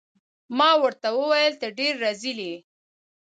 ما ورته وویل: ته ډیر رزیل يې.